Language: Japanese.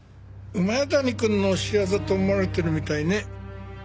谷くんの仕業と思われてるみたいね。